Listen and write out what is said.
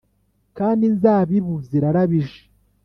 Kandi inzabibu zirarabije